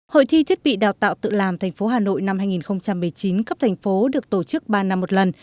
hội thi thiết bị đào tạo tự làm thành phố hà nội năm hai nghìn một mươi chín cấp thành phố được tổ chức ba năm một lần